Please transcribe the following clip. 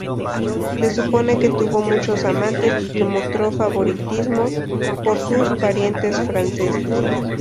Se supone que tuvo muchos amantes y que mostró favoritismo por sus parientes franceses.